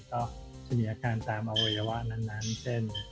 ก็จะมีอาการตามอวัยวะนั้นเช่น